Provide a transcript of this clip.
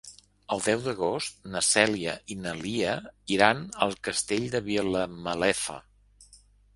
El deu d'agost na Cèlia i na Lia iran al Castell de Vilamalefa.